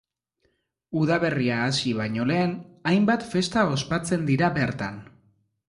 Udaberria hasi baino lehen, hainbat festa ospatzen dira bertan.